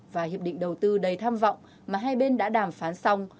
và hiệp định đầu tư đầy tham vọng mà hai bên đã đàm phán xong